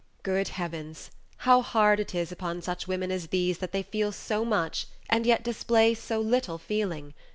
Page 69 Good Heavens! how hard it is upon such women as these that they feel so much and yet display so little feeling.